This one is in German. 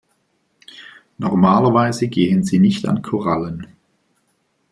Normalerweise gehen sie nicht an Korallen.